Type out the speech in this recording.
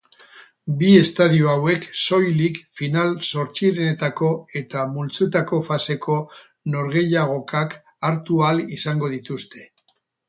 Bi estadio hauek soilik final-zortzirenetako eta multzoetako faseko norgehiagokak hartu ahal izango dituzte.